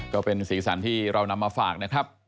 ก็เป็นสีสันที่เรานำมาฝากนะครับ